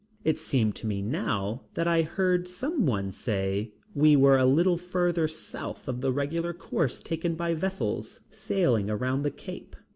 It seems to me now that I heard somebody say we were a little further south of the regular course taken by vessels sailing around the Cape.